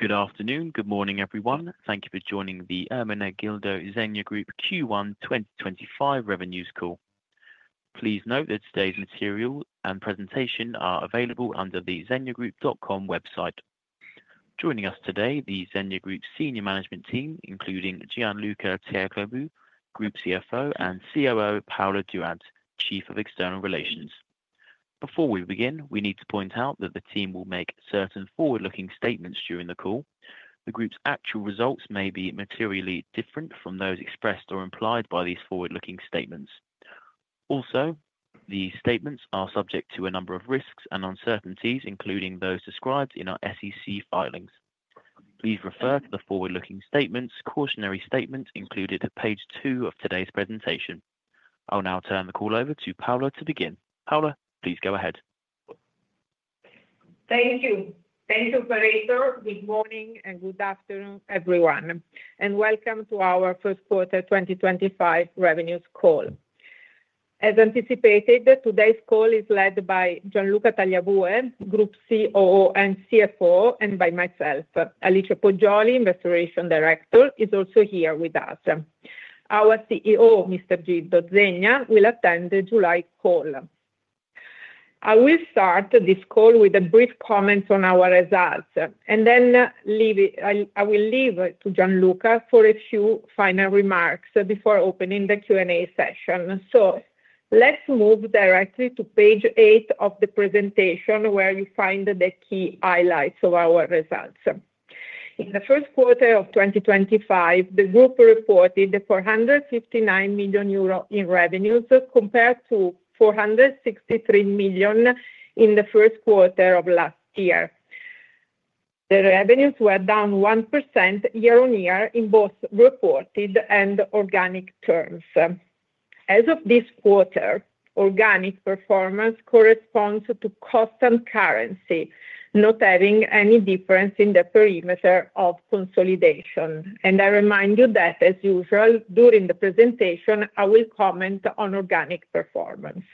Good afternoon, good morning everyone. Thank you for joining the Ermenegildo Zegna Group Q1 2025 revenues call. Please note that today's material and presentation are available under the zegnagroup.com website. Joining us today, the Zegna Group senior management team, including Gianluca Tagliabue, Group CFO, and COO Paola Durante, Chief of External Relations. Before we begin, we need to point out that the team will make certain forward-looking statements during the call. The group's actual results may be materially different from those expressed or implied by these forward-looking statements. Also, these statements are subject to a number of risks and uncertainties, including those described in our SEC filings. Please refer to the forward-looking statements cautionary statement included at page two of today's presentation. I'll now turn the call over to Paola to begin. Paola, please go ahead. Thank you. Thank you, Perrito. Good morning and good afternoon, everyone, and welcome to our first quarter 2025 revenues call. As anticipated, today's call is led by Gianluca Tagliabue, Group COO and CFO, and by myself, Alice Poggioli, Investor Director, is also here with us. Our CEO, Mr. Gildo Zegna, will attend the July call. I will start this call with a brief comment on our results, and then I will leave to Gianluca for a few final remarks before opening the Q&A session. Let's move directly to page eight of the presentation, where you find the key highlights of our results. In the first quarter of 2025, the group reported 459 million euro in revenues compared to 463 million in the first quarter of last year. The revenues were down 1% year-on-year in both reported and organic terms. As of this quarter, organic performance corresponds to cost and currency, not having any difference in the perimeter of consolidation. I remind you that, as usual, during the presentation, I will comment on organic performance.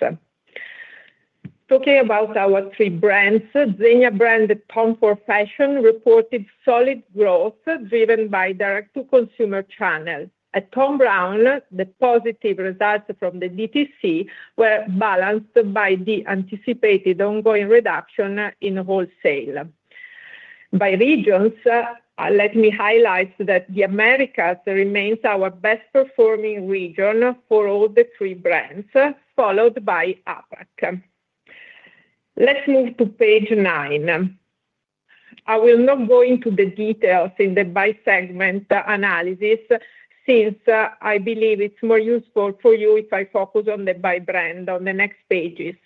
Talking about our three brands, ZEGNA brand, Tom Ford Fashion reported solid growth driven by direct-to-consumer channel. At Thom Browne, the positive results from the DTC were balanced by the anticipated ongoing reduction in wholesale. By regions, let me highlight that the Americas remains our best-performing region for all the three brands, followed by APAC. Let's move to page nine. I will not go into the details in the by-segment analysis since I believe it's more useful for you if I focus on the by-brand on the next pages.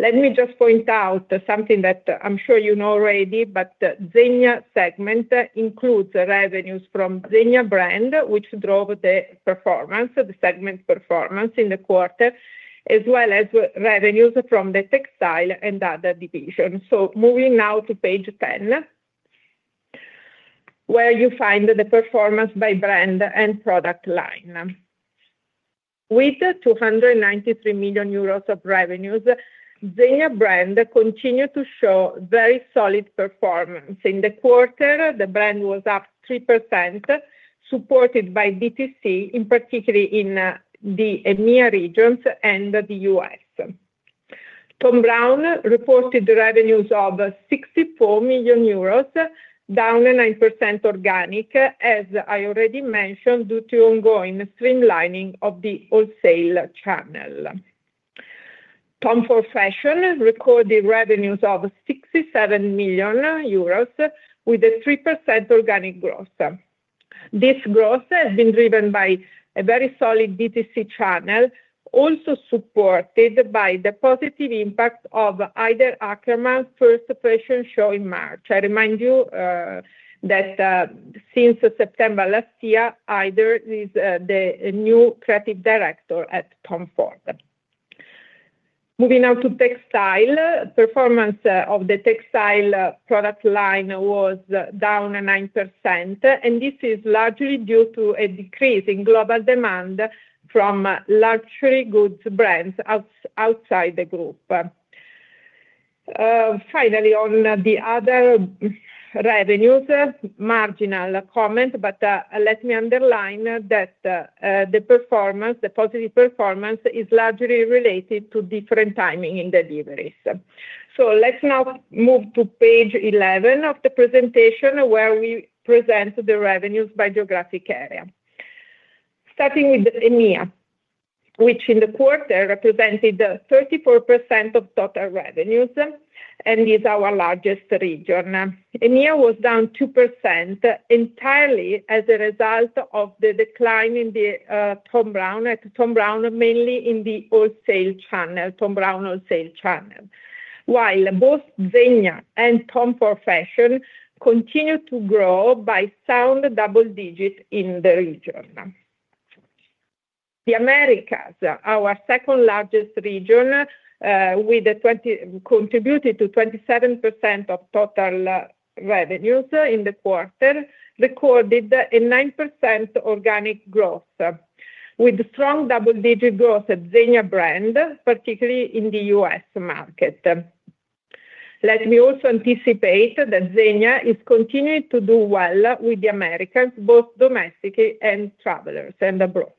Let me just point out something that I'm sure you know already, but the Zegna segment includes revenues from Zegna brand, which drove the performance, the segment performance in the quarter, as well as revenues from the textile and other divisions. Moving now to page 10, where you find the performance by brand and product line. With 293 million euros of revenues, Zegna brand continued to show very solid performance. In the quarter, the brand was up three percent, supported by DTC, in particular in the EMEA regions and the US. Thom Browne reported revenues of 64 million euros, down nine percent organic, as I already mentioned, due to ongoing streamlining of the wholesale channel. Tom Ford Fashion recorded revenues of 67 million euros with a three percent organic growth. This growth has been driven by a very solid DTC channel, also supported by the positive impact of Ider Ackerman's first fashion show in March. I remind you that since September last year, Ider is the new creative director at Tom Ford. Moving now to textile, performance of the textile product line was down nine percent, and this is largely due to a decrease in global demand from luxury goods brands outside the group. Finally, on the other revenues, marginal comment, but let me underline that the performance, the positive performance, is largely related to different timing in deliveries. Let's now move to page 11 of the presentation, where we present the revenues by geographic area. Starting with EMEA, which in the quarter represented 34% of total revenues and is our largest region. EMEA was down two percent entirely as a result of the decline in the Thom Browne, at Thom Browne mainly in the wholesale channel, Thom Browne wholesale channel, while both ZEGNA and Tom Ford Fashion continued to grow by sound double digits in the region. The Americas, our second largest region, contributed to 27% of total revenues in the quarter, recorded a nine percent organic growth, with strong double-digit growth at ZEGNA brand, particularly in the US market. Let me also anticipate that ZEGNA is continuing to do well with the Americas, both domestically and travelers and abroad.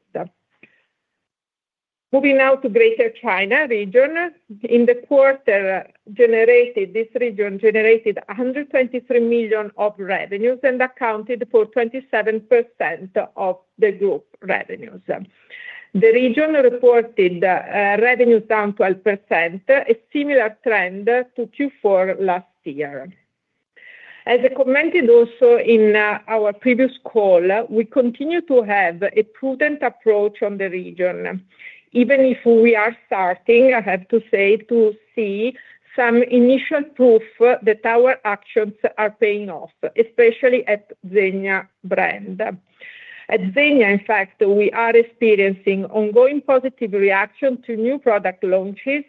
Moving now to Greater China region, in the quarter generated, this region generated nEUR 123 million of revenues and accounted for 27% of the group revenues. The region reported revenues down 12%, a similar trend to Q4 last year. As I commented also in our previous call, we continue to have a prudent approach on the region, even if we are starting, I have to say, to see some initial proof that our actions are paying off, especially at ZEGNA brand. At ZEGNA, in fact, we are experiencing ongoing positive reaction to new product launches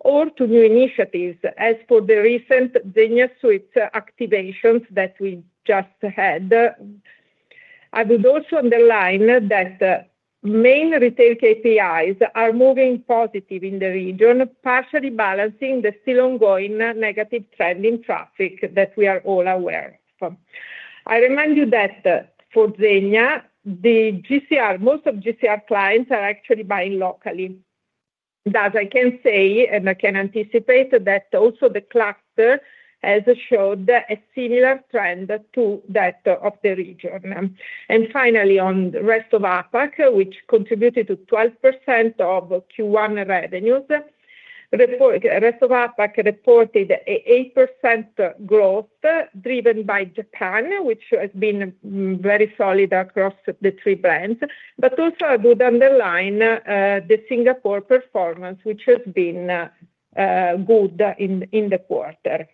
or to new initiatives, as for the recent ZEGNA suite activations that we just had. I would also underline that main retail KPIs are moving positive in the region, partially balancing the still ongoing negative trend in traffic that we are all aware of. I remind you that for ZEGNA, the GCR, most of GCR clients are actually buying locally. Thus, I can say and I can anticipate that also the cluster has showed a similar trend to that of the region. Finally, on the rest of APAC, which contributed to 12% of Q1 revenues, rest of APAC reported an eight percent growth driven by Japan, which has been very solid across the three brands. I would underline the Singapore performance, which has been good in the quarter.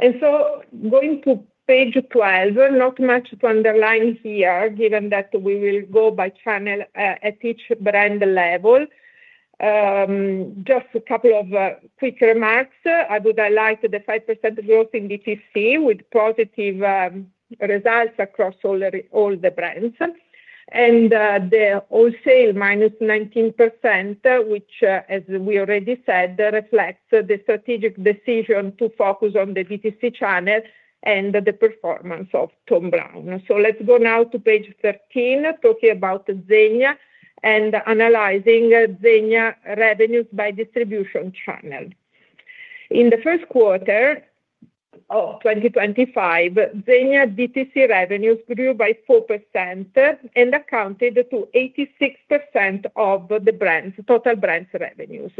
Going to page 12, not much to underline here, given that we will go by channel at each brand level, just a couple of quick remarks. I would highlight the five percent growth in DTC with positive results across all the brands and the wholesale minus 19%, which, as we already said, reflects the strategic decision to focus on the DTC channel and the performance of Thom Browne. Let's go now to page 13, talking about ZEGNA and analyzing ZEGNA revenues by distribution channel. In the first quarter of 2025, ZEGNA DTC revenues grew by four percent and accounted to 86% of the brand's total brand revenues.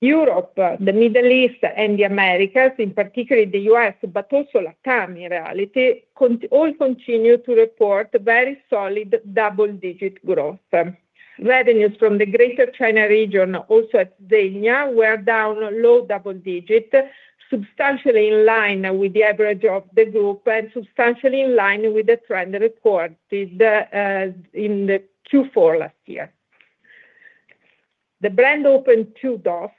Europe, the Middle East, and the Americas, in particular the US, but also LATAM in reality, all continued to report very solid double-digit growth. Revenues from the Greater China region, also at ZEGNA, were down low double digits, substantially in line with the average of the group and substantially in line with the trend recorded in Q4 last year. The brand opened two doors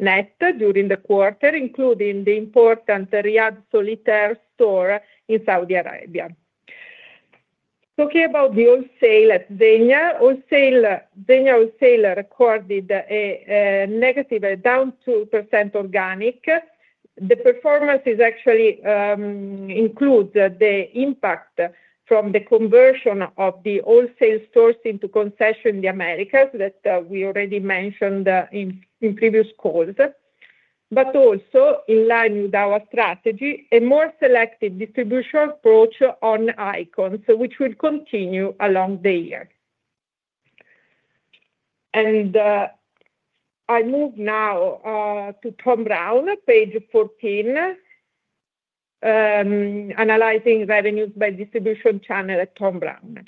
net during the quarter, including the important Riyadh Solitaire store in Saudi Arabia. Talking about the wholesale at ZEGNA, ZEGNA wholesale recorded a negative down two percent organic. The performance actually includes the impact from the conversion of the wholesale source into concession in the Americas that we already mentioned in previous calls, but also in line with our strategy, a more selective distribution approach on icons, which will continue along the year. I move now to Thom Browne, page 14, analyzing revenues by distribution channel at Thom Browne.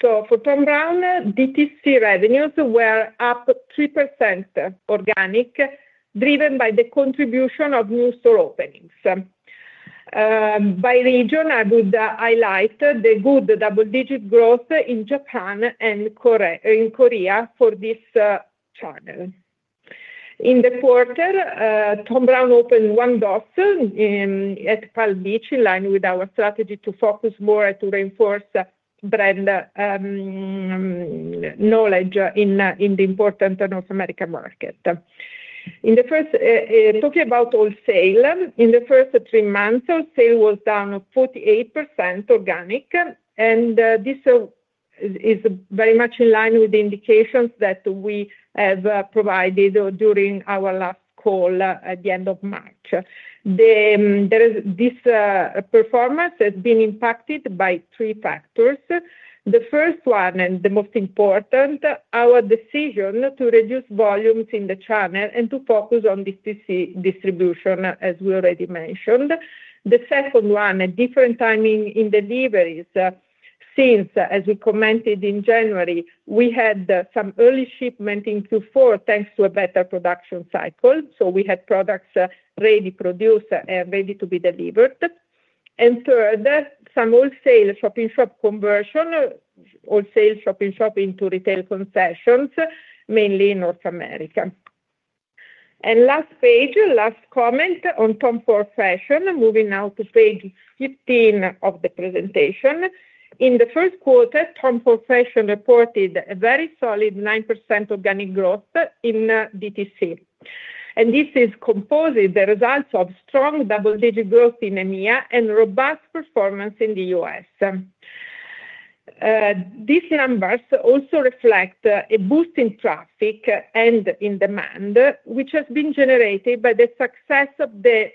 For Thom Browne, DTC revenues were up three percent organic, driven by the contribution of new store openings. By region, I would highlight the good double-digit growth in Japan and in Korea for this channel. In the quarter, Thom Browne opened one door at Palm Beach, in line with our strategy to focus more and to reinforce brand knowledge in the important North American market. Talking about wholesale, in the first three months, wholesale was down 48% organic, and this is very much in line with the indications that we have provided during our last call at the end of March. This performance has been impacted by three factors. The first one, and the most important, our decision to reduce volumes in the channel and to focus on DTC distribution, as we already mentioned. The second one, a different timing in deliveries since, as we commented in January, we had some early shipment in Q4 thanks to a better production cycle. We had products produced and ready to be delivered. Third, some wholesale shop-in-shop conversion, wholesale shop-in-shop into retail concessions, mainly in North America. Last page, last comment on Tom Ford Fashion. Moving now to page 15 of the presentation. In the first quarter, Tom Ford Fashion reported a very solid nine percent organic growth in DTC. This is composed of the results of strong double-digit growth in EMEA and robust performance in the US. These numbers also reflect a boost in traffic and in demand, which has been generated by the success of the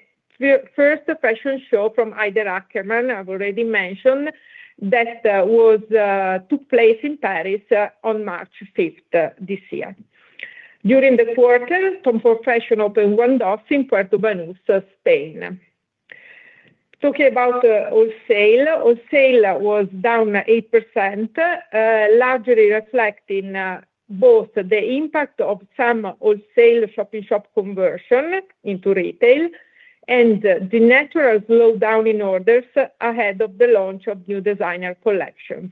first fashion show from Ider Ackerman, I have already mentioned, that took place in Paris on March 5th this year. During the quarter, Tom Ford Fashion opened one door in Puerto Banus, Spain. Talking about wholesale, wholesale was down eight percent, largely reflecting both the impact of some wholesale shop-in-shop conversion into retail and the natural slowdown in orders ahead of the launch of new designer collections.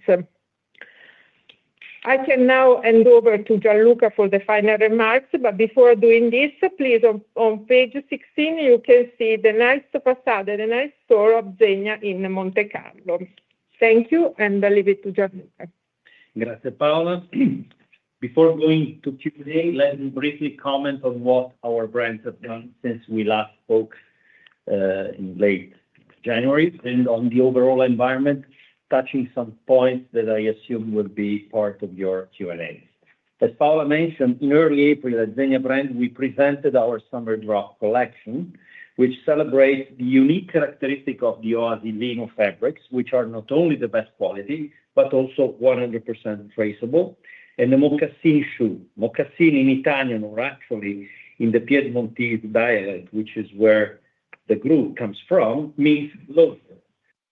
I can now hand over to Gianluca for the final remarks, but before doing this, please, on page 16, you can see the nice facade, the nice store of ZEGNA in Monte Carlo. Thank you, and I'll leave it to Gianluca. Grazie, Paola. Before going to Q&A, let me briefly comment on what our brands have done since we last spoke in late January and on the overall environment, touching some points that I assume will be part of your Q&A. As Paola mentioned, in early April at ZEGNA brand, we presented our summer drop collection, which celebrates the unique characteristic of the Oasi Lino fabrics, which are not only the best quality but also 100% traceable. The Mocassin shoe, Mocassin in Italian or actually in the Piedmontese dialect, which is where the group comes from, means loafer.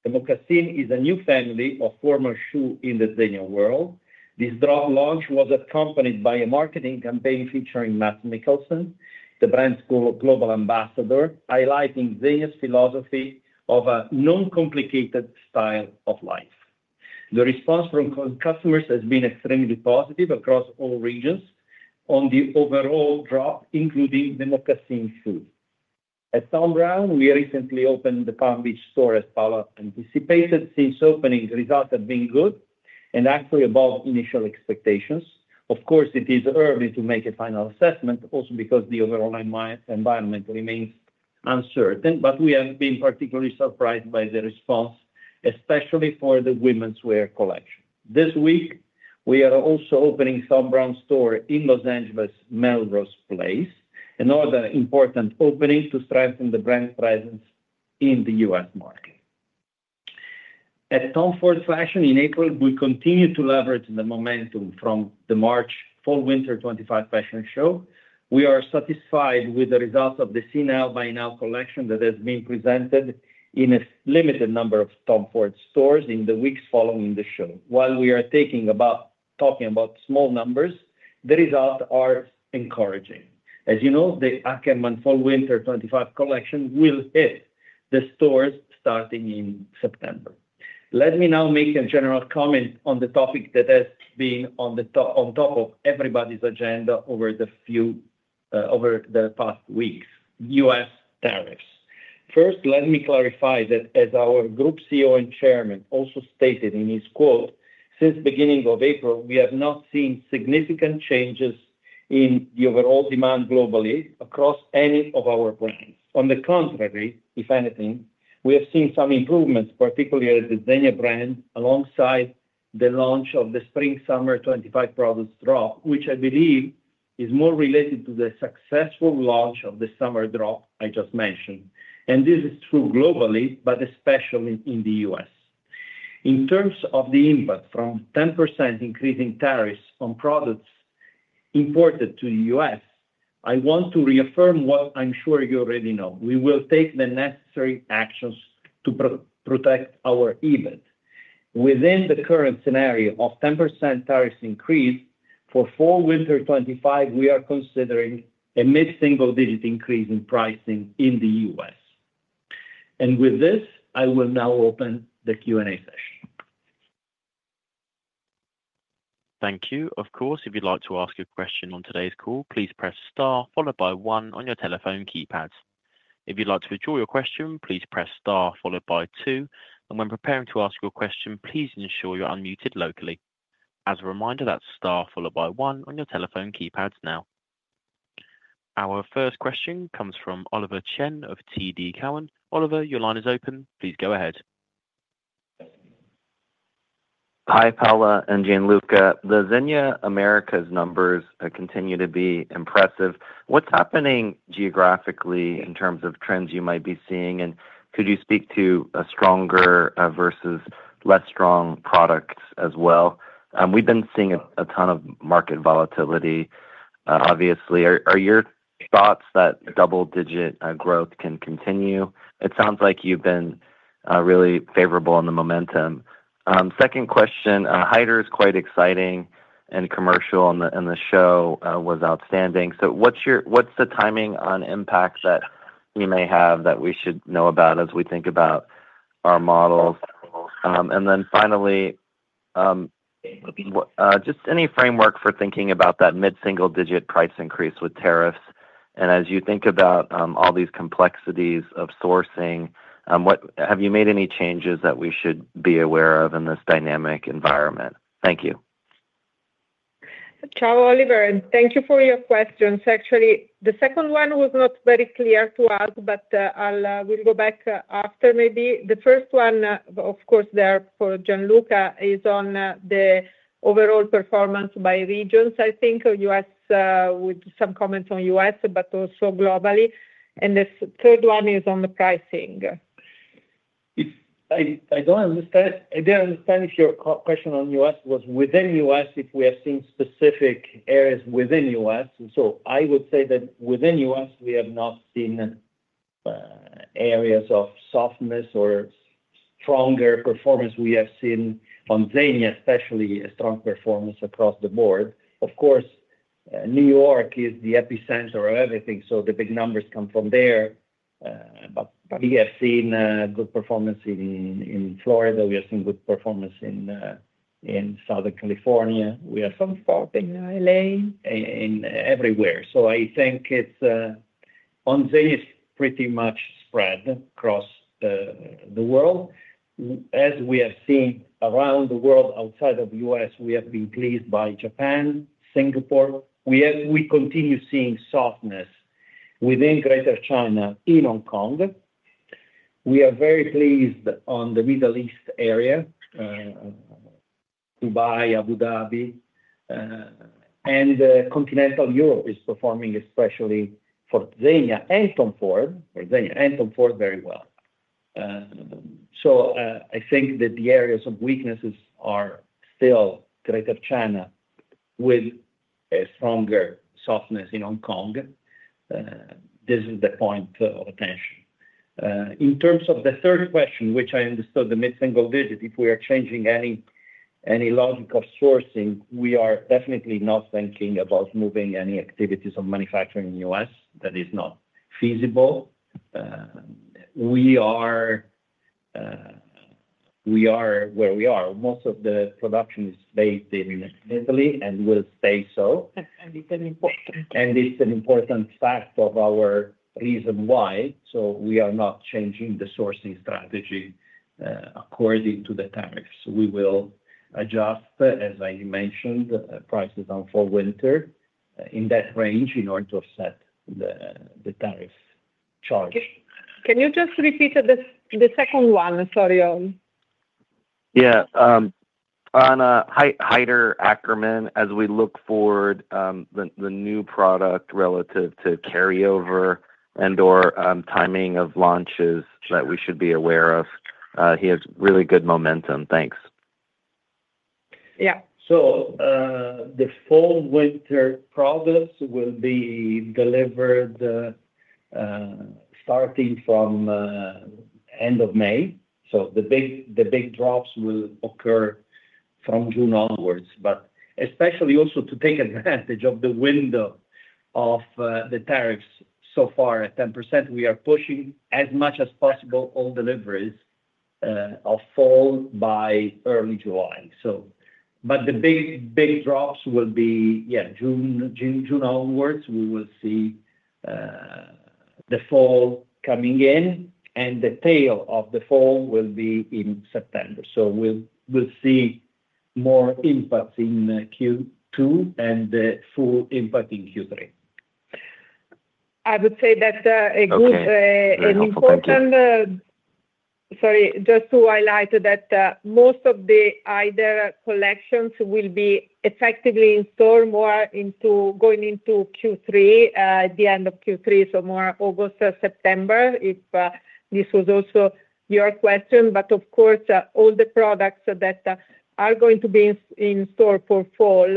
The Mocassin is a new family of formal shoe in the ZEGNA world. This drop launch was accompanied by a marketing campaign featuring Matt Mikkelsen, the brand's global ambassador, highlighting ZEGNA's philosophy of a non-complicated style of life. The response from customers has been extremely positive across all regions on the overall drop, including the Mocassin shoe. At Thom Browne, we recently opened the Palm Beach store, as Paola anticipated. Since opening, results have been good and actually above initial expectations. Of course, it is early to make a final assessment, also because the overall environment remains uncertain, but we have been particularly surprised by the response, especially for the women's wear collection. This week, we are also opening a Thom Browne store in Los Angeles, Melrose Place, another important opening to strengthen the brand presence in the US market. At Tom Ford Fashion in April, we continue to leverage the momentum from the March Fall/Winter 2025 Fashion Show. We are satisfied with the results of the See Now Buy Now collection that has been presented in a limited number of Tom Ford stores in the weeks following the show. While we are talking about small numbers, the results are encouraging. As you know, the Ackerman Fall/Winter 2025 collection will hit the stores starting in September. Let me now make a general comment on the topic that has been on top of everybody's agenda over the past weeks: US tariffs. First, let me clarify that, as our Group CEO and Chairman also stated in his quote, since the beginning of April, we have not seen significant changes in the overall demand globally across any of our brands. On the contrary, if anything, we have seen some improvements, particularly at the ZEGNA brand, alongside the launch of the Spring/Summer 2025 products drop, which I believe is more related to the successful launch of the Summer drop I just mentioned. This is true globally, but especially in the US. In terms of the impact from 10% increasing tariffs on products imported to the US, I want to reaffirm what I'm sure you already know. We will take the necessary actions to protect our EBIT. Within the current scenario of 10% tariffs increase for Fall/Winter 2025, we are considering a mid-single-digit increase in pricing in the US. With this, I will now open the Q&A session. Thank you. Of course, if you'd like to ask a question on today's call, please press Star followed by 1 on your telephone keypads. If you'd like to withdraw your question, please press Star followed by two. When preparing to ask your question, please ensure you're unmuted locally. As a reminder, that's Star followed by 1 on your telephone keypads now. Our first question comes from Oliver Chen of TD Cowen. Oliver, your line is open. Please go ahead. Hi, Paola and Gianluca. The Zegna Americas numbers continue to be impressive. What's happening geographically in terms of trends you might be seeing? Could you speak to a stronger versus less strong product as well? We've been seeing a ton of market volatility, obviously. Are your thoughts that double-digit growth can continue? It sounds like you've been really favorable on the momentum. Second question, Hydra is quite exciting and commercial, and the show was outstanding. What is the timing on impact that you may have that we should know about as we think about our models? Finally, just any framework for thinking about that mid-single-digit price increase with tariffs? As you think about all these complexities of sourcing, have you made any changes that we should be aware of in this dynamic environment? Thank you. Ciao, Oliver. Thank you for your questions. Actually, the second one was not very clear to us, but we will go back after maybe. The first one, of course, there for Gianluca is on the overall performance by regions, I think, with some comments on US, but also globally. The third one is on the pricing. I do not understand. I did not understand if your question on US was within US, if we have seen specific areas within US. I would say that within the US, we have not seen areas of softness or stronger performance. We have seen, on ZEGNA especially, a strong performance across the board. Of course, New York is the epicenter of everything, so the big numbers come from there. We have seen good performance in Florida. We have seen good performance in Southern California. We have some stuff in Los Angeles and everywhere. I think on ZEGNA, it's pretty much spread across the world. As we have seen around the world outside of the US, we have been pleased by Japan, Singapore. We continue seeing softness within Greater China in Hong Kong. We are very pleased on the Middle East area: Dubai, Abu Dhabi. Continental Europe is performing especially for ZEGNA and Tom Ford, for ZEGNA and Tom Ford very well. I think that the areas of weaknesses are still Greater China with a stronger softness in Hong Kong. This is the point of attention. In terms of the third question, which I understood the mid-single-digit, if we are changing any logic of sourcing, we are definitely not thinking about moving any activities of manufacturing in the US. That is not feasible. We are where we are. Most of the production is based in Italy and will stay so. It is an important fact. It is an important fact of our reason why. We are not changing the sourcing strategy according to the tariffs. We will adjust, as I mentioned, prices on Fall/Winter in that range in order to offset the tariff charge. Can you just repeat the second one? Sorry, Ollie. Yeah. On Ider Ackerman, as we look forward, the new product relative to carryover and/or timing of launches that we should be aware of, he has really good momentum. Thanks. Yeah. The Fall/Winter products will be delivered starting from the end of May. The big drops will occur from June onwards. Especially also to take advantage of the window of the tariffs so far at 10%, we are pushing as much as possible all deliveries of Fall by early July. The big drops will be, yeah, June onwards. We will see the Fall coming in, and the tail of the Fall will be in September. We will see more impact in Q2 and full impact in Q3. I would say that an important—sorry, just to highlight that most of the Hydra collections will be effectively in store going into Q3, the end of Q3, so more August, September, if this was also your question. Of course, all the products that are going to be in store for Fall,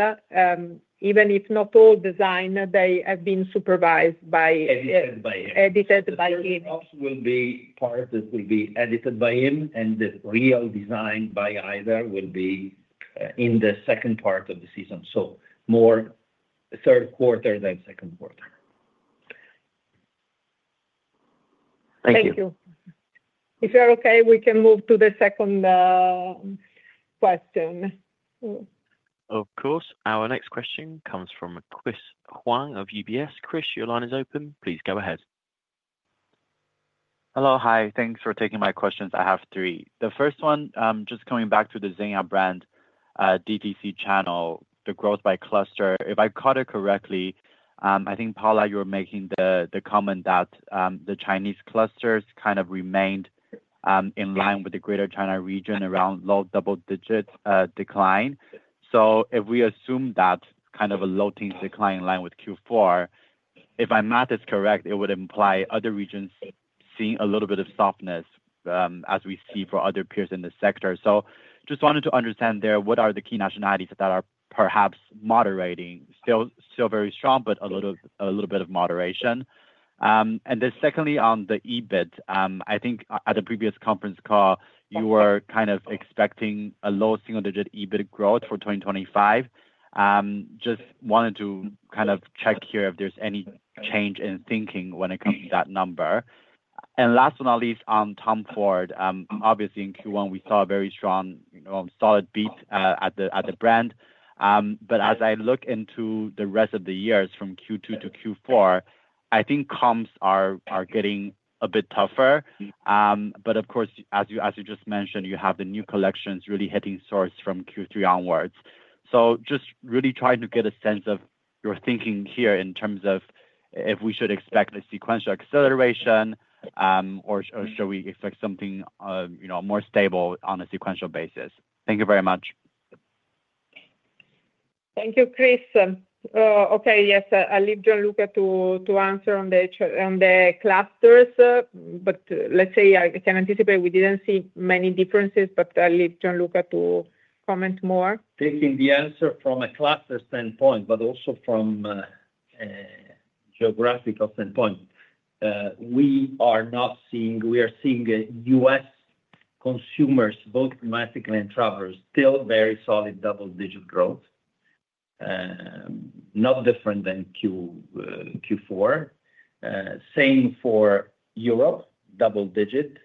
even if not all designed, they have been supervised by him. Edited by him. Edited by him. The drops will be part that will be edited by him, and the real design by Hydra will be in the second part of the season. More third quarter than second quarter. Thank you. Thank you. If you're okay, we can move to the second question. Of course. Our next question comes from Chris Huang of UBS. Chris, your line is open. Please go ahead. Hello. Hi. Thanks for taking my questions. I have three. The first one, just coming back to the ZEGNA brand, DTC channel, the growth by cluster. If I caught it correctly, I think, Paola, you were making the comment that the Chinese clusters kind of remained in line with the Greater China region around low double-digit decline. If we assume that kind of a low decline in line with Q4, if my math is correct, it would imply other regions seeing a little bit of softness as we see for other peers in the sector. I just wanted to understand there, what are the key nationalities that are perhaps moderating, still very strong, but a little bit of moderation? Secondly, on the EBIT, I think at the previous conference call, you were kind of expecting a low single-digit EBIT growth for 2025. Just wanted to kind of check here if there's any change in thinking when it comes to that number. And last but not least, on Tom Ford, obviously in Q1, we saw a very strong, solid beat at the brand. But as I look into the rest of the years from Q2 to Q4, I think comps are getting a bit tougher. But of course, as you just mentioned, you have the new collections really hitting stores from Q3 onwards. So just really trying to get a sense of your thinking here in terms of if we should expect a sequential acceleration, or should we expect something more stable on a sequential basis. Thank you very much. Thank you, Chris. Okay, yes, I'll leave Gianluca to answer on the clusters. But let's say I can anticipate we didn't see many differences, but I'll leave Gianluca to comment more. Taking the answer from a cluster standpoint, but also from a geographical standpoint, we are not seeing—we are seeing US consumers, both domestically and travelers, still very solid double-digit growth, not different than Q4. Same for Europe, double-digit,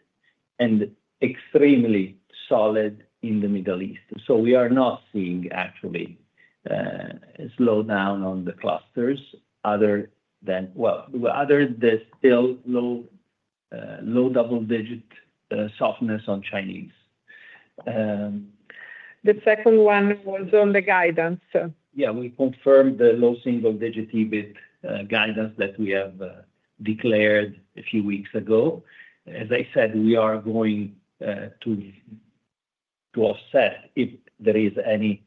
and extremely solid in the Middle East. We are not seeing actually a slowdown on the clusters other than—well, other than still low double-digit softness on Chinese. The second one was on the guidance. Yeah, we confirmed the low single-digit EBIT guidance that we have declared a few weeks ago. As I said, we are going to offset if there is any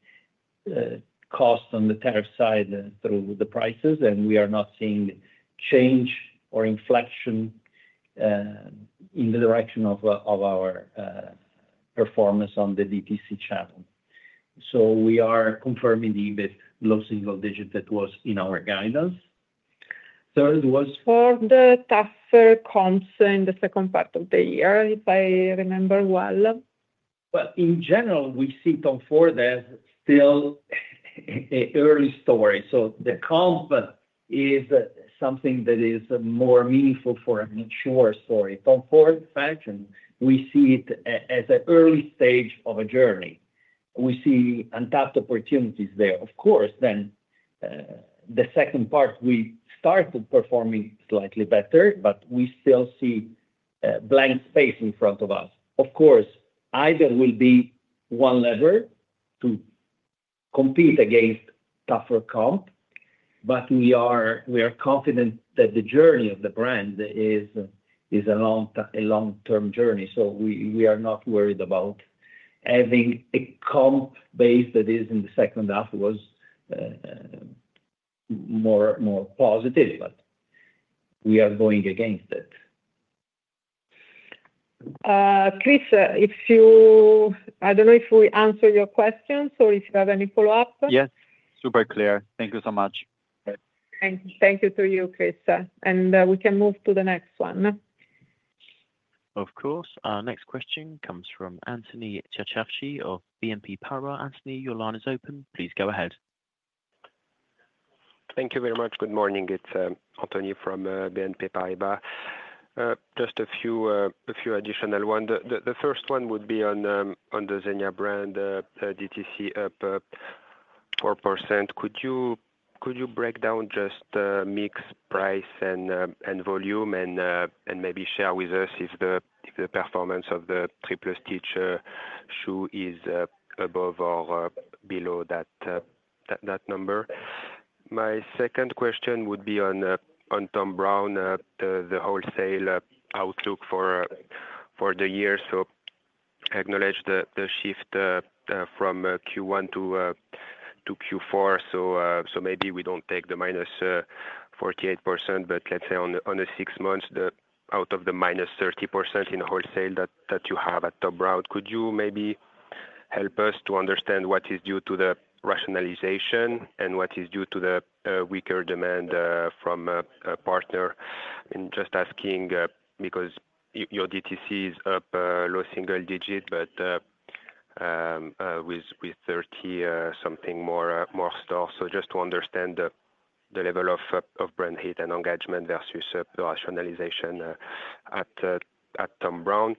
cost on the tariff side through the prices, and we are not seeing change or inflection in the direction of our performance on the DTC channel. We are confirming the EBIT, low single-digit that was in our guidance. Third was for the tougher comps in the second part of the year, if I remember well. In general, we see Tom Ford as still an early story. The comp is something that is more meaningful for an insurer story. Tom Ford Fashion, we see it as an early stage of a journey. We see untapped opportunities there. Of course, in the second part, we started performing slightly better, but we still see blank space in front of us. Of course, Hydra will be one lever to compete against tougher comp, but we are confident that the journey of the brand is a long-term journey. We are not worried about having a comp base that is in the second half was more positive, but we are going against it. Chris, if you—I do not know if we answered your questions or if you have any follow-up. Yes. Super clear. Thank you so much. Thank you to you, Chris. We can move to the next one. Of course. Our next question comes from Anthony Charchafji of BNP Paribas. Anthony, your line is open. Please go ahead. Thank you very much. Good morning. It's Anthony from BNP Paribas. Just a few additional ones. The first one would be on the Zegna brand, DTC up 4%. Could you break down just mix, price, and volume and maybe share with us if the performance of the Triple Stitch shoe is above or below that number? My second question would be on Thom Browne, the wholesale outlook for the year. I acknowledge the shift from Q1 to Q4. Maybe we do not take the minus 48%, but let's say on the six months out of the minus 30% in wholesale that you have at Thom Browne, could you maybe help us to understand what is due to the rationalization and what is due to the weaker demand from a partner? Just asking because your DTC is up low single-digit, but with 30-something more stores. Just to understand the level of brand hit and engagement versus the rationalization at Thom Browne.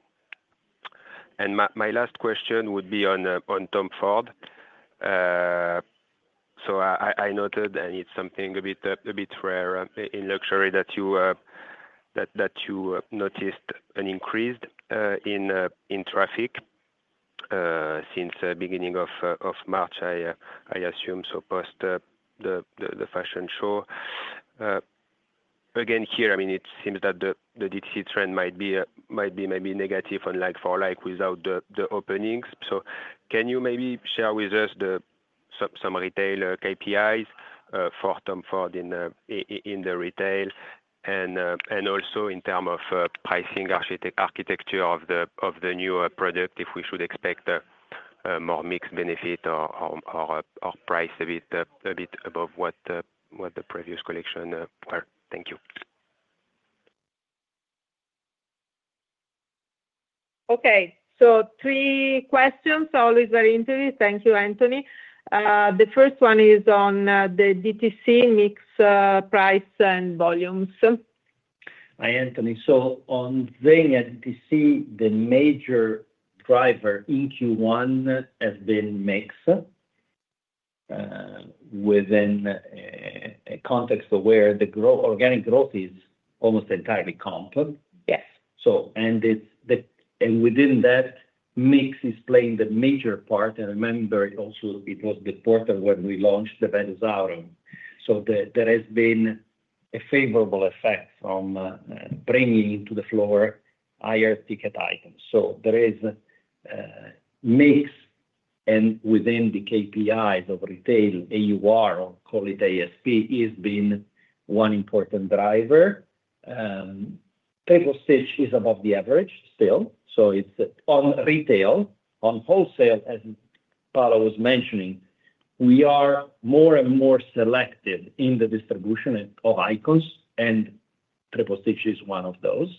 My last question would be on Tom Ford. I noted, and it is something a bit rare in luxury, that you noticed an increase in traffic since the beginning of March, I assume, so post the fashion show. Again, here, I mean, it seems that the DTC trend might be maybe negative for like without the openings. Can you maybe share with us some retail KPIs for Tom Ford in the retail and also in terms of pricing architecture of the new product if we should expect more mixed benefit or price a bit above what the previous collection were? Thank you. Okay. Three questions. Always very interesting. Thank you, Anthony. The first one is on the DTC mixed price and volumes. Hi, Anthony. On ZEGNA DTC, the major driver in Q1 has been mix within a context where the organic growth is almost entirely comp. Within that, mix is playing the major part. Remember, also it was the quarter when we launched the Venezuela. There has been a favorable effect from bringing to the floor higher ticket items. There is mix and within the KPIs of retail, AUR, or call it ASP, has been one important driver. Stitch is above the average still. It is on retail. On wholesale, as Paola was mentioning, we are more and more selective in the distribution of icons, and Triple Stitch is one of those.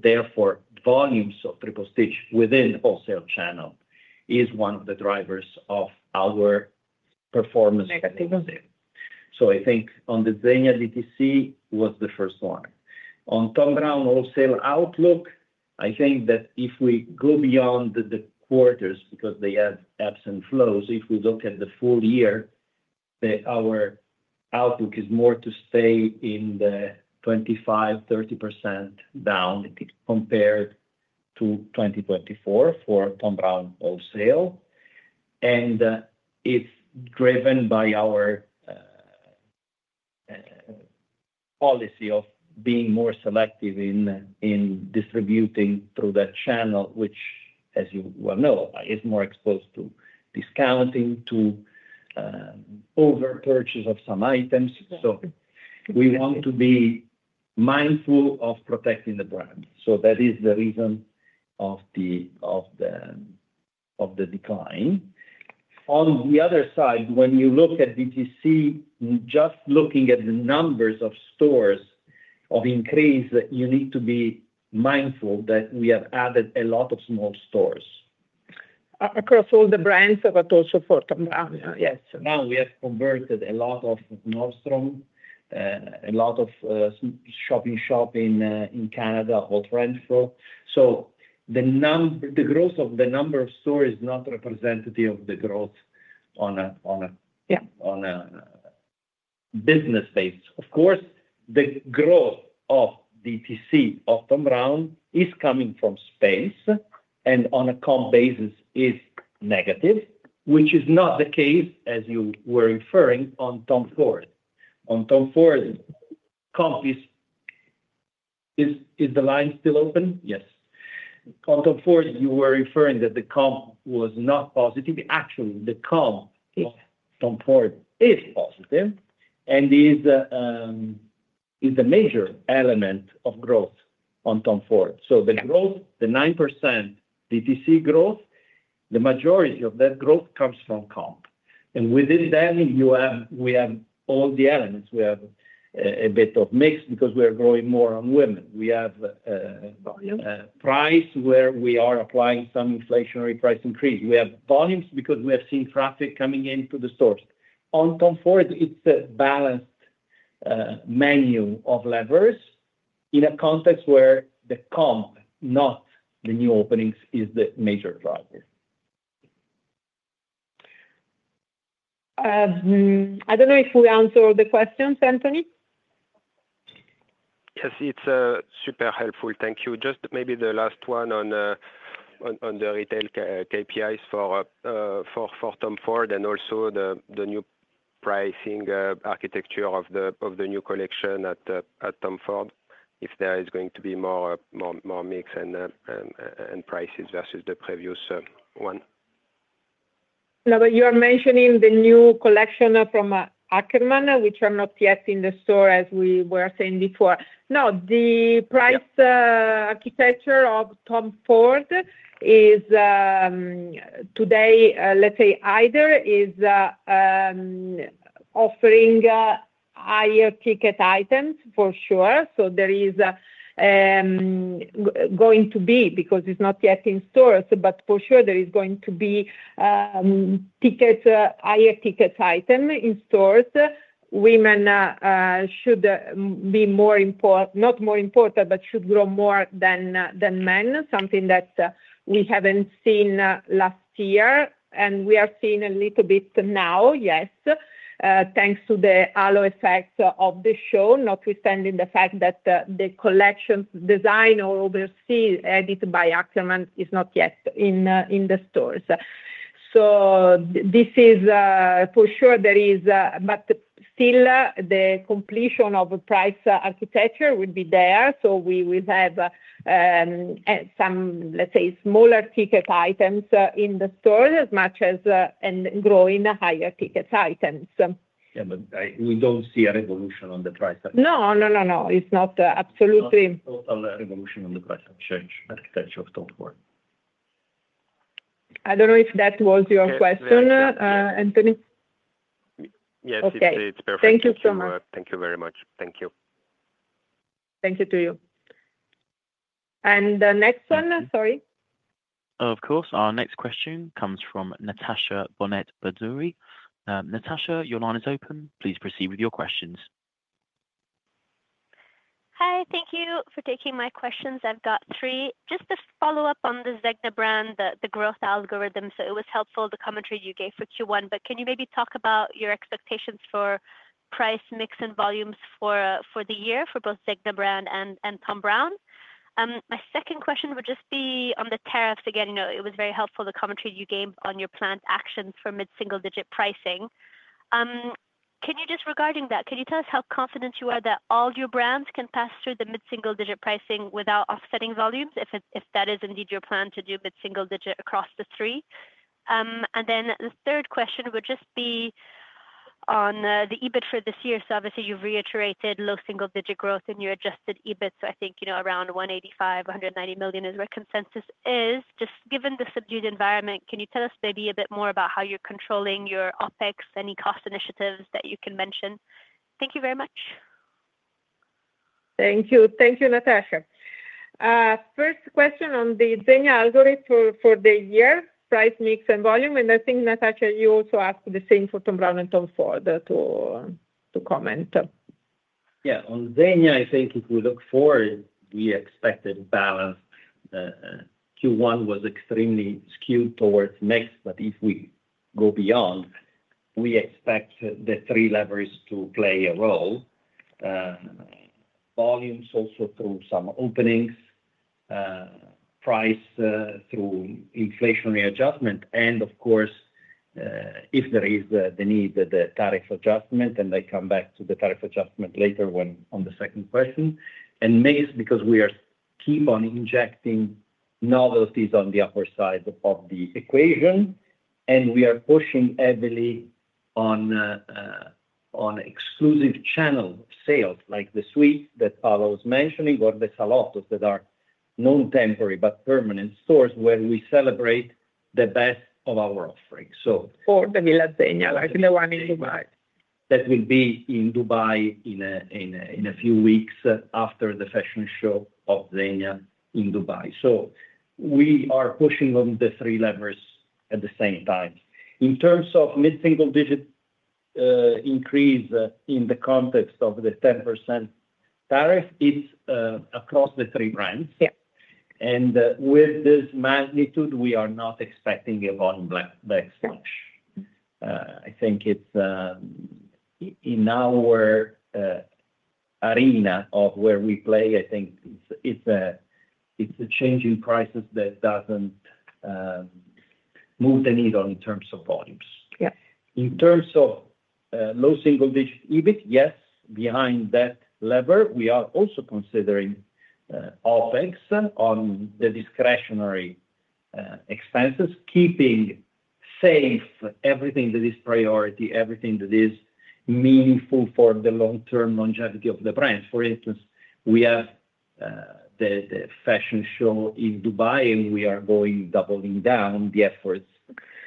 Therefore, volumes of Triple Stitch within the wholesale channel is one of the drivers of our performance negative. I think on the ZEGNA DTC was the first one. On Thom Browne wholesale outlook, I think that if we go beyond the quarters because they have ebbs and flows, if we look at the full year, our outlook is more to stay in the 25%-30% down compared to 2024 for Thom Browne wholesale. It is driven by our policy of being more selective in distributing through that channel, which, as you well know, is more exposed to discounting, to overpurchase of some items. We want to be mindful of protecting the brand. That is the reason of the decline. On the other side, when you look at DTC, just looking at the numbers of stores of increase, you need to be mindful that we have added a lot of small stores. Across all the brands, but also for Thom Browne. Yes. Now we have converted a lot of Nordstrom, a lot of shop-in-shop in Canada called Rentful. The growth of the number of stores is not representative of the growth on a business base. Of course, the growth of DTC of Thom Browne is coming from space, and on a comp basis, it's negative, which is not the case, as you were inferring on Tom Ford. On Tom Ford, comp is the line still open? Yes. On Tom Ford, you were inferring that the comp was not positive. Actually, the comp of Tom Ford is positive and is the major element of growth on Tom Ford. The growth, the nine percent DTC growth, the majority of that growth comes from comp. Within that, we have all the elements. We have a bit of mix because we are growing more on women. We have price where we are applying some inflationary price increase. We have volumes because we have seen traffic coming into the stores. On Tom Ford, it is a balanced menu of levers in a context where the comp, not the new openings, is the major driver. I do not know if we answered the questions, Anthony. Yes, it is super helpful. Thank you. Just maybe the last one on the retail KPIs for Tom Ford and also the new pricing architecture of the new collection at Tom Ford, if there is going to be more mix and prices versus the previous one. You are mentioning the new collection from Ackerman, which are not yet in the store, as we were saying before. No, the price architecture of Tom Ford is today, let's say, either is offering higher ticket items for sure. There is going to be, because it's not yet in stores, but for sure, there is going to be higher ticket items in stores. Women should be more important, not more important, but should grow more than men, something that we haven't seen last year. We are seeing a little bit now, yes, thanks to the halo effect of the show, notwithstanding the fact that the collection design or overseas edited by Ackerman is not yet in the stores. This is for sure there is, but still the completion of price architecture will be there. We will have some, let's say, smaller ticket items in the stores as much as growing higher ticket items. Yeah, we do not see a revolution on the price architecture. No, no, no, no. It is not absolutely. No total revolution on the price architecture of Tom Ford. I do not know if that was your question, Anthony. Yes, it is perfect. Thank you so much. Thank you very much. Thank you. Thank you to you. The next one, sorry. Of course. Our next question comes from Natasha Banoori. Natasha, your line is open. Please proceed with your questions. Hi. Thank you for taking my questions. I've got three. Just to follow up on the Zegna brand, the growth algorithm. It was helpful the commentary you gave for Q1, but can you maybe talk about your expectations for price mix and volumes for the year for both Zegna brand and Tom Browne? My second question would just be on the tariffs again. It was very helpful the commentary you gave on your planned actions for mid-single-digit pricing. Regarding that, could you tell us how confident you are that all your brands can pass through the mid-single-digit pricing without offsetting volumes if that is indeed your plan to do mid-single-digit across the three? The third question would just be on the EBIT for this year. Obviously, you've reiterated low single-digit growth in your adjusted EBIT. I think around €185 million-€190 million is where consensus is. Just given the subdued environment, can you tell us maybe a bit more about how you're controlling your OpEx, any cost initiatives that you can mention? Thank you very much. Thank you. Thank you, Natasha. First question on the Zegna algorithm for the year, price mix and volume. I think, Natasha, you also asked the same for Thom Browne and Tom Ford to comment. Yeah. On Zegna, I think if we look forward, we expected balance. Q1 was extremely skewed towards mix, but if we go beyond, we expect the three levers to play a role. Volumes also through some openings, price through inflationary adjustment, and of course, if there is the need, the tariff adjustment, and I come back to the tariff adjustment later on the second question. We keep on injecting novelties on the upper side of the equation, and we are pushing heavily on exclusive channel sales like the suite that Paola was mentioning or the Salottos that are non-temporary but permanent stores where we celebrate the best of our offering. For the Villa Zegna, like the one in Dubai, that will be in Dubai in a few weeks after the fashion show of ZEGNA in Dubai. We are pushing on the three levers at the same time. In terms of mid-single-digit increase in the context of the 10% tariff, it's across the three brands. With this magnitude, we are not expecting a volume backslash. I think in our arena of where we play, I think it's a changing crisis that doesn't move the needle in terms of volumes. In terms of low single-digit EBIT, yes, behind that lever, we are also considering OPEX on the discretionary expenses, keeping safe everything that is priority, everything that is meaningful for the long-term longevity of the brands. For instance, we have the fashion show in Dubai, and we are going doubling down the efforts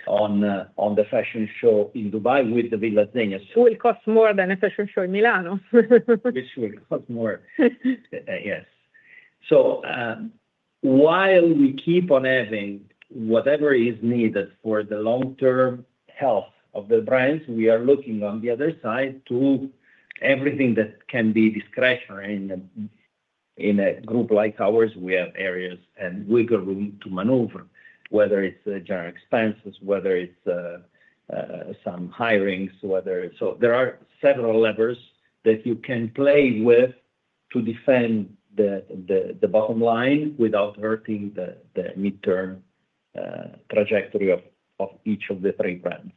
on the fashion show in Dubai with the Villa Zegna. It will cost more than a fashion show in Milano. Which will cost more. Yes. While we keep on having whatever is needed for the long-term health of the brands, we are looking on the other side to everything that can be discretionary. In a group like ours, we have areas and wiggle room to maneuver, whether it's general expenses, whether it's some hirings. There are several levers that you can play with to defend the bottom line without hurting the mid-term trajectory of each of the three brands.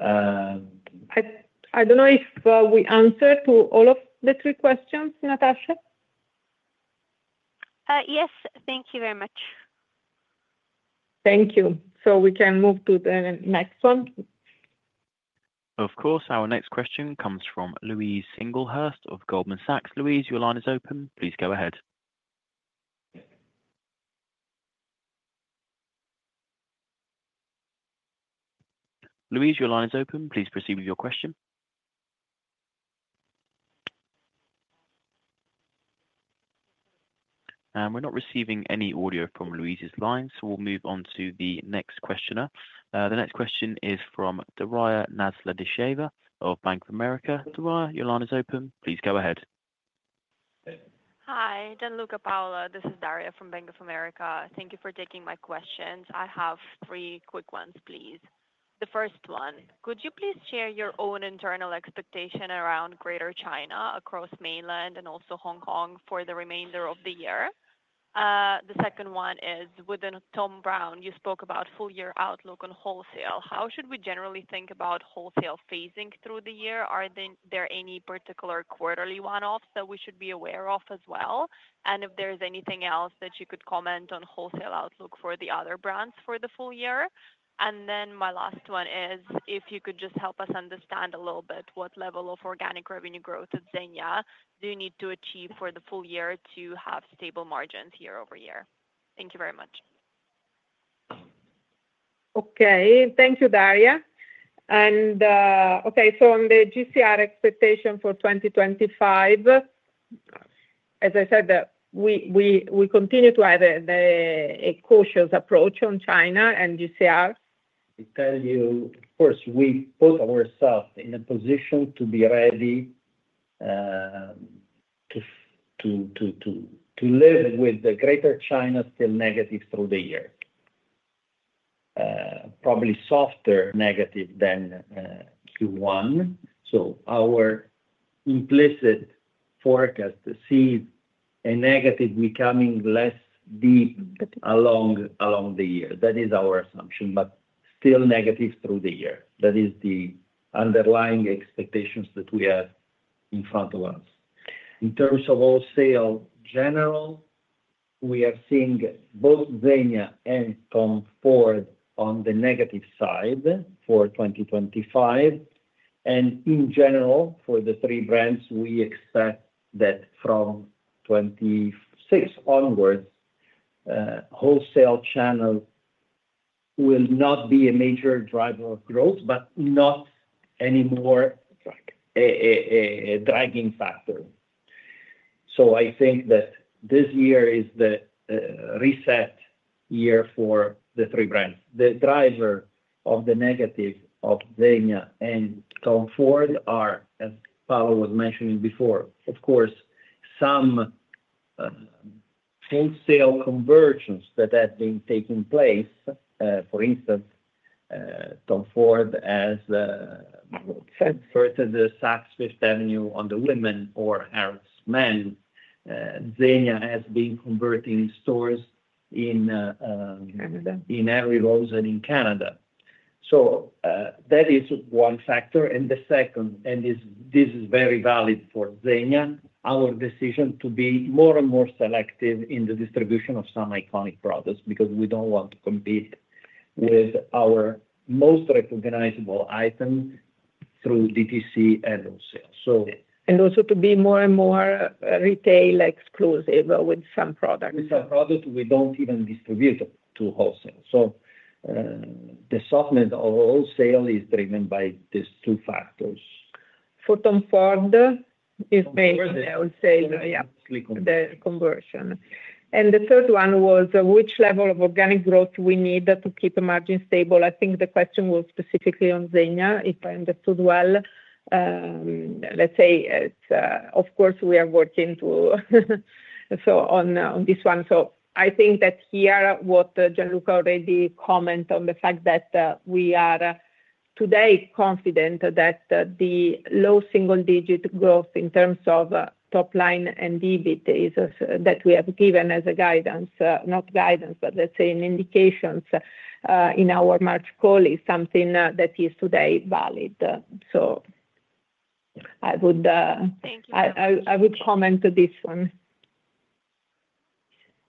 I don't know if we answered to all of the three questions, Natasha. Yes. Thank you very much. Thank you. We can move to the next one. Of course. Our next question comes from Louise Singlehurst of Goldman Sachs. Louise, your line is open. Please go ahead. Louise, your line is open. Please proceed with your question. We're not receiving any audio from Louise's line, so we'll move on to the next questioner. The next question is from Daria Nasledysheva of Bank of America. Daria, your line is open. Please go ahead. Hi. Gianluca, Paola. This is Daria from Bank of America. Thank you for taking my questions. I have three quick ones, please. The first one, could you please share your own internal expectation around Greater China across mainland and also Hong Kong for the remainder of the year? The second one is, within Thom Browne, you spoke about full-year outlook on wholesale. How should we generally think about wholesale phasing through the year? Are there any particular quarterly one-offs that we should be aware of as well? If there's anything else that you could comment on wholesale outlook for the other brands for the full year? My last one is, if you could just help us understand a little bit what level of organic revenue growth at ZEGNA do you need to achieve for the full year to have stable margins year over year? Thank you very much. Okay. Thank you, Daria. Okay, so on the GCR expectation for 2025, as I said, we continue to have a cautious approach on China and GCR. To tell you, of course, we put ourselves in a position to be ready to live with the Greater China still negative through the year. Probably softer negative than Q1. Our implicit forecast is to see a negative becoming less deep along the year. That is our assumption, but still negative through the year. That is the underlying expectations that we have in front of us. In terms of wholesale general, we are seeing both ZEGNA and Tom Ford on the negative side for 2025. In general, for the three brands, we expect that from 2026 onwards, wholesale channel will not be a major driver of growth, but not anymore a dragging factor. I think that this year is the reset year for the three brands. The driver of the negative of ZEGNA and Tom Ford Fashion are, as Paola was mentioning before, of course, some wholesale conversions that have been taking place. For instance, Tom Ford Fashion has converted the Saks Fifth Avenue on the women or Harrods men. ZEGNA has been converting stores in Everglades and in Canada. That is one factor. The second, and this is very valid for ZEGNA, is our decision to be more and more selective in the distribution of some iconic products because we do not want to compete with our most recognizable items through DTC and wholesale. Also, to be more and more retail exclusive with some products. With some products we do not even distribute to wholesale. The softness of wholesale is driven by these two factors. For Tom Ford, it's mainly wholesale, yeah, the conversion. The third one was which level of organic growth we need to keep a margin stable. I think the question was specifically on Zegna, if I understood well. Let's say, of course, we are working on this one. I think that here, what Gianluca already commented on the fact that we are today confident that the low single-digit growth in terms of top line and EBIT is that we have given as a guidance, not guidance, but let's say an indication in our March call is something that is today valid. I would comment to this one.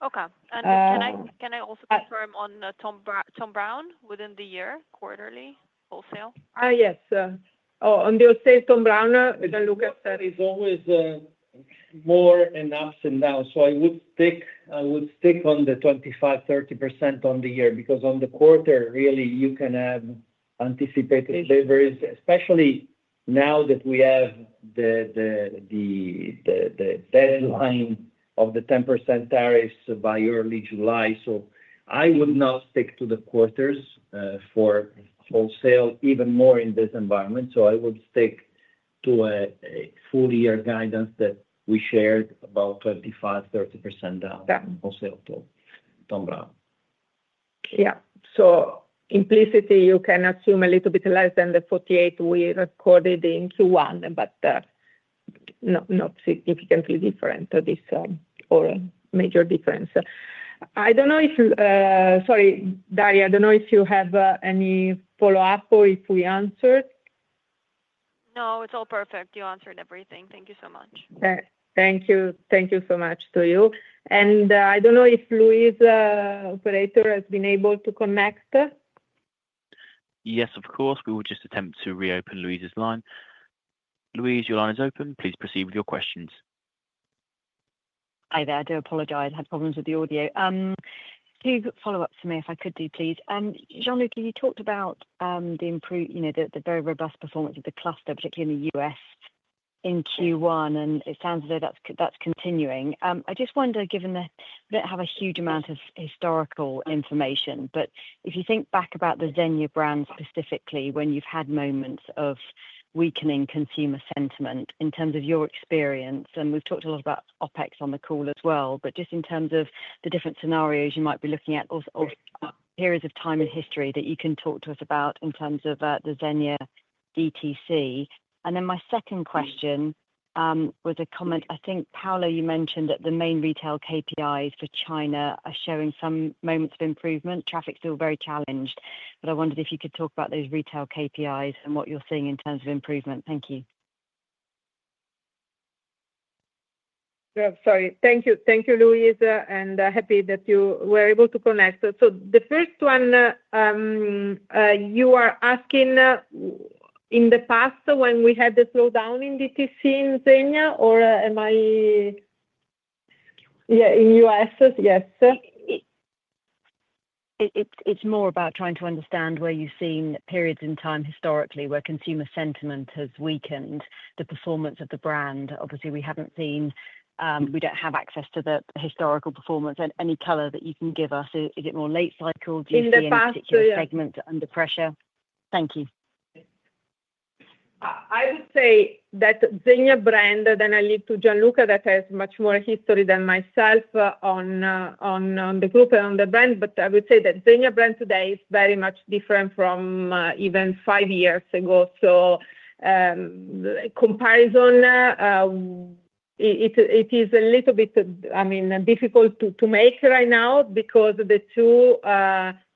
Okay. Can I also confirm on Thom Browne within the year, quarterly, wholesale? Yes. On the wholesale, Thom Browne, Gianluca said it's always more and ups and downs. I would stick on the 25-30% on the year because on the quarter, really, you can have anticipated deliveries, especially now that we have the deadline of the 10% tariffs by early July. I would now stick to the quarters for wholesale even more in this environment. I would stick to a full-year guidance that we shared about 25-30% down on wholesale to Thom Browne. Yeah. Implicitly, you can assume a little bit less than the 48 we recorded in Q1, but not significantly different or major difference. I don't know if, sorry, Daria, I don't know if you have any follow-up or if we answered. No, it's all perfect. You answered everything. Thank you so much. Thank you. Thank you so much to you. I don't know if Louise's operator has been able to connect. Yes, of course. We will just attempt to reopen Louise's line. Louise, your line is open. Please proceed with your questions. Hi there. I do apologize. I had problems with the audio. Two follow-ups for me, if I could do, please. Gianluca, you talked about the very robust performance of the cluster, particularly in the US in Q1, and it sounds as though that's continuing. I just wonder, given that we don't have a huge amount of historical information, but if you think back about the ZEGNA brand specifically, when you've had moments of weakening consumer sentiment in terms of your experience, and we've talked a lot about OpEx on the call as well, but just in terms of the different scenarios you might be looking at or periods of time in history that you can talk to us about in terms of the ZEGNA DTC. My second question was a comment. I think, Paola, you mentioned that the main retail KPIs for China are showing some moments of improvement. Traffic is still very challenged, but I wondered if you could talk about those retail KPIs and what you are seeing in terms of improvement. Thank you. Sorry. Thank you, Louise, and happy that you were able to connect. The first one, you are asking in the past when we had the slowdown in DTC in ZEGNA, or am I? Yeah, in US, yes. It is more about trying to understand where you have seen periods in time historically where consumer sentiment has weakened the performance of the brand. Obviously, we have not seen, we do not have access to the historical performance, and any color that you can give us. Is it more late cycle? Do you see any particular segments under pressure? Thank you. I would say that Zegna brand, then I'll leave to Gianluca that has much more history than myself on the group and on the brand, but I would say that Zegna brand today is very much different from even five years ago. Comparison, it is a little bit, I mean, difficult to make right now because the two,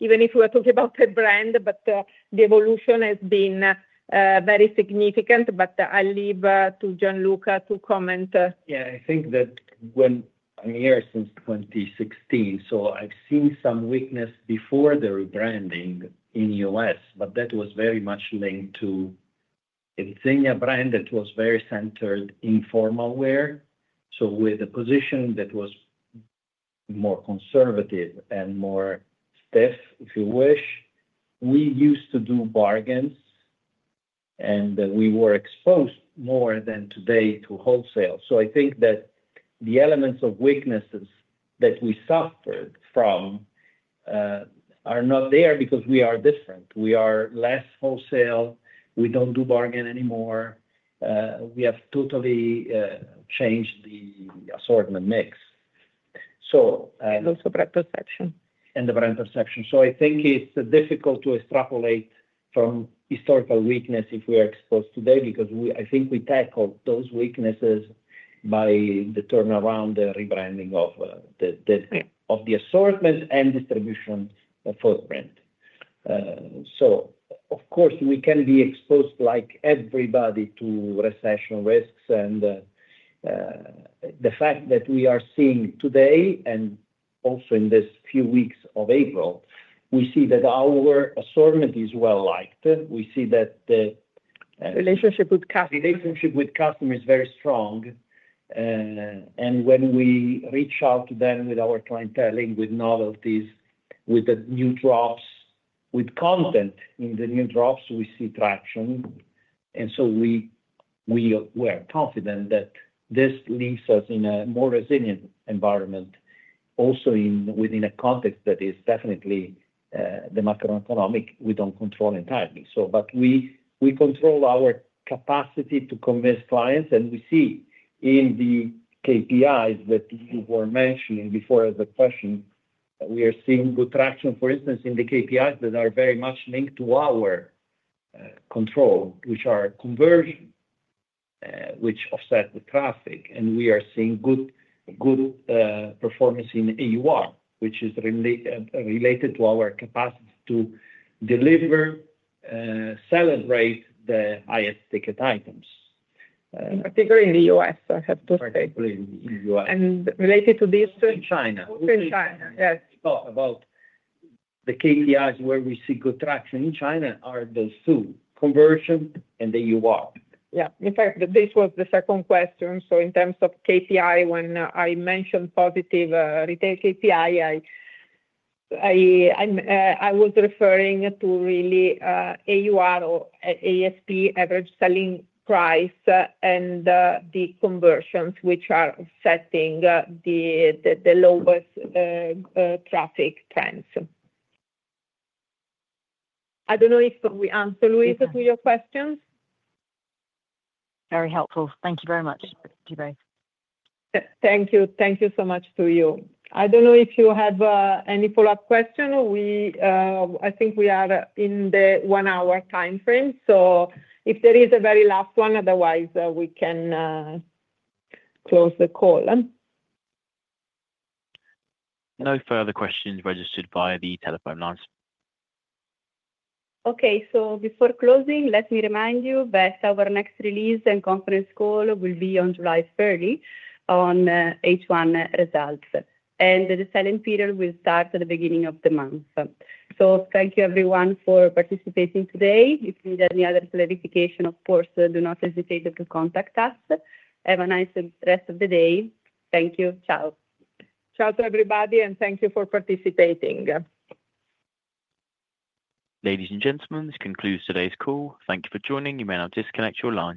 even if we are talking about the brand, but the evolution has been very significant. I'll leave to Gianluca to comment. Yeah. I think that when I'm here since 2016, so I've seen some weakness before the rebranding in the US, but that was very much linked to a Zegna brand that was very centered in formal wear. With a position that was more conservative and more stiff, if you wish, we used to do bargains, and we were exposed more than today to wholesale. I think that the elements of weaknesses that we suffered from are not there because we are different. We are less wholesale. We do not do bargain anymore. We have totally changed the assortment mix. Also brand perception. And the brand perception. I think it is difficult to extrapolate from historical weakness if we are exposed today because I think we tackled those weaknesses by the turnaround, the rebranding of the assortment and distribution footprint. Of course, we can be exposed like everybody to recession risks. The fact that we are seeing today and also in these few weeks of April, we see that our assortment is well-liked. We see that the relationship with customers is very strong. When we reach out to them with our clientele, with novelties, with the new drops, with content in the new drops, we see traction. We are confident that this leaves us in a more resilient environment, also within a context that is definitely the macroeconomic we do not control entirely. We control our capacity to convince clients, and we see in the KPIs that you were mentioning before as a question that we are seeing good traction, for instance, in the KPIs that are very much linked to our control, which are conversion, which offset the traffic. We are seeing good performance in AUR, which is related to our capacity to deliver, celebrate the highest ticket items. Particularly in the US, I have to say. Particularly in the US. Related to this in China. In China, yes. We talk about the KPIs where we see good traction in China are those two, conversion and AUR. Yeah. In fact, this was the second question. In terms of KPI, when I mentioned positive retail KPI, I was referring to really AUR or ASP, average selling price, and the conversions, which are setting the lowest traffic trends. I do not know if we answered Louise to your questions. Very helpful. Thank you very much, you both. Thank you. Thank you so much to you. I do not know if you have any follow-up questions. I think we are in the one-hour time frame. If there is a very last one, otherwise we can close the call. No further questions registered via the telephone lines. Okay. Before closing, let me remind you that our next release and conference call will be on July 30 on H1 results. The selling period will start at the beginning of the month. Thank you, everyone, for participating today. If you need any other clarification, of course, do not hesitate to contact us. Have a nice rest of the day. Thank you. Ciao. Ciao to everybody, and thank you for participating. Ladies and gentlemen, this concludes today's call. Thank you for joining. You may now disconnect your line.